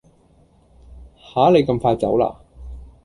吓你咁快走啦？